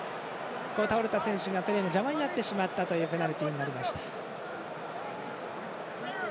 倒れた選手が邪魔になってしまったというペナルティになりました。